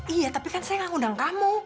iya tapi kan saya tidak mengundang kamu